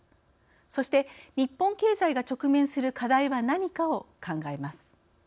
そして日本経済が直面する課題は何かを考えます。